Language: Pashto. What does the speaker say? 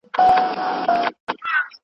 هیڅوک باید د خپل قوم له امله ونه ځورول سي.